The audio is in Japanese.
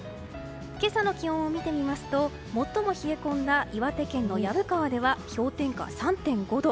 今朝の気温を見てみますと最も冷え込んだ岩手県の薮川では氷点下３．５度。